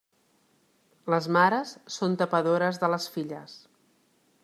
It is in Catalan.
Les mares són tapadores de les filles.